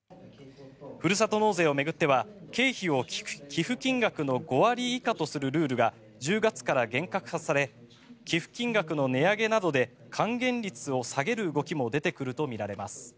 ふるさと納税を巡っては経費を寄付金額の５割以下とするルールが１０月から厳格化され寄付金額の値上げなどで還元率を下げる動きも出てくるとみられます。